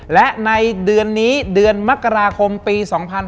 และในเดือนนี้เดือนมกราคมปี๒๕๕๙